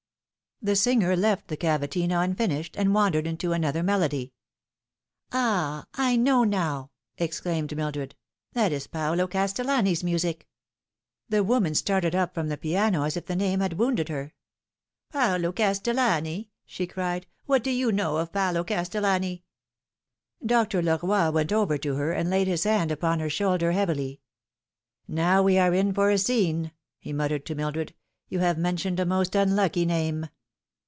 The singer left the cavatina unfinished, and wandered into another melody. " Ah, I know now !" exclaimed Mildred ;" that is Paolo Cas tellani's music !" The woman started up from the piano as if the name had wounded her. " Paolo Castellani !" she cried. "What do you know of Paolo Castellani ?" Dr. Leroy went over to her, and laid his hand upon her shoulder heavily. " Now we are in for a scene," he muttered to Mildred. "You have mentioned a most unlucky name."